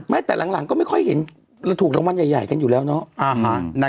ไม่แต่หลังก็ไม่ค่อยเห็นและถูกลงบ้านใหญ่กันอยู่แล้วเนอะ